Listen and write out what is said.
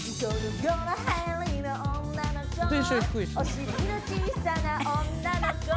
「お尻の小さな女の子」